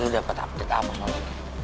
lu dapet update apa soalnya